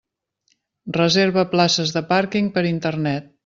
Reserva places de pàrquing per Internet.